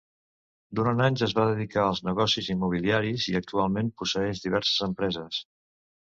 Durant anys es va dedicar als negocis immobiliaris i actualment posseeix diverses empreses.